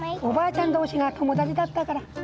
おばあちゃん同士が友達だったから。